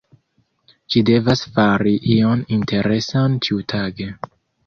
Ĝi devas fari ion interesan ĉiutage.